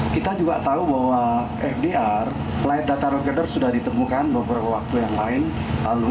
kita juga tahu bahwa fdr flight data recorder sudah ditemukan beberapa waktu yang lain lalu